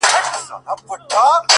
ما ستا په شربتي سونډو خمار مات کړی دی”